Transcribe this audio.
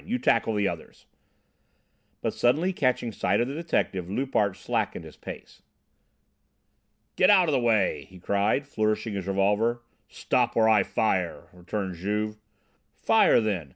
You tackle the others!" But suddenly catching sight of the detective Loupart slackened his pace. "Get out of the way!" he cried, flourishing his revolver. "Stop, or I fire!" returned Juve. "Fire then!